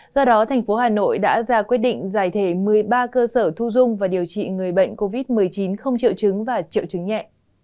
do đó thành phố hà nội đã ra quyết định giải thể một mươi ba cơ sở thu dung và điều trị người bệnh covid một mươi chín không triệu chứng và triệu chứng nhẹ